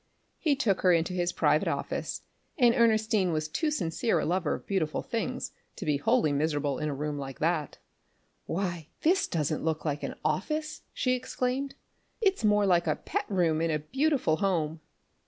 He took her into his private office, and Ernestine was too sincere a lover of beautiful things to be wholly miserable in a room like that. "Why, this doesn't look like an office," she exclaimed. "It's more like a pet room in a beautiful home."